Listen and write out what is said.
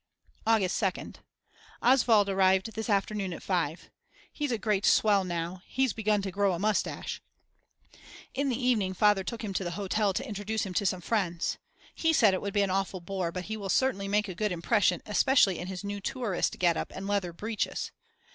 August 2nd. Oswald arrived this afternoon at 5. He's a great swell now; he's begun to grow a moustache. In the evening Father took him to the hotel to introduce him to some friends. He said it would be an awful bore, but he will certainly make a good impression especially in his new tourist getup and leather breeches.